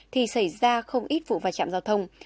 thì xảy ra không ít vụ va chạm giao thông